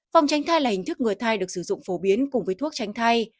phòng tránh thai là hình thức người thai được sử dụng phổ biến cùng với thuốc tránh thai